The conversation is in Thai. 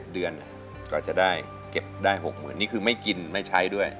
เดือนกว่าจะได้เก็บได้๖๐๐๐นี่คือไม่กินไม่ใช้ด้วย